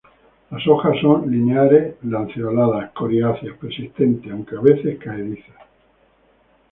Las hojas son lineares, lanceoladas, coriáceas, persistentes, aunque a veces caedizas.